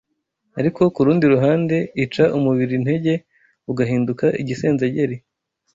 ariko ku rundi ruhande ica umubiri intege ugahinduka igisenzegeri.